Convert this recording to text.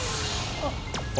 あっ。